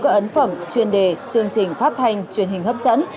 các ấn phẩm chuyên đề chương trình phát thanh truyền hình hấp dẫn